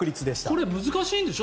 これ、難しいんでしょ？